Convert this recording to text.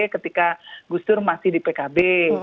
ketika gus dur masih di pkb